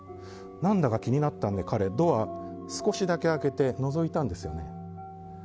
何だか気になったので彼はドアを少しだけ開けてのぞいたんですよね。